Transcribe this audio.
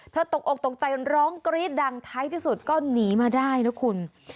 ตกอกตกใจร้องกรี๊ดดังท้ายที่สุดก็หนีมาได้นะคุณ